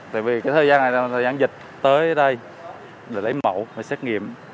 tại vì cái thời gian này là thời gian dịch tới đây để lấy mẫu để xét nghiệm